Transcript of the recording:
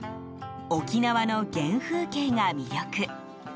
沖縄の原風景が魅力。